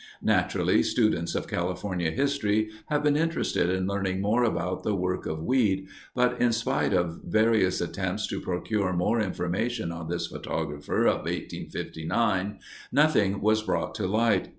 Naturally, students of California history have been interested in learning more about the work of Weed, but in spite of serious attempts to procure more information on this photographer of 1859, nothing was brought to light.